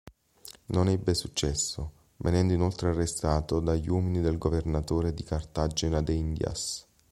Non ebbe successo, venendo inoltre arrestato dagli uomini del governatore di Cartagena de Indias.